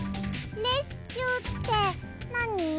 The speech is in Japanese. レスキューってなに？